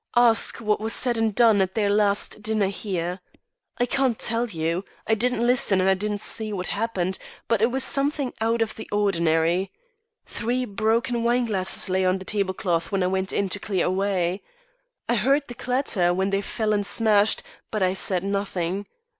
Ask what was said and done at their last dinner here. I can't tell you. I didn't listen and I didn't see what happened, but it was something out of the ordinary. Three broken wineglasses lay on the tablecloth when I went in to clear away. I heard the clatter when they fell and smashed, but I said nothing.